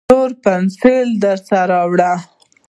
تور پینسیل درسره راوړه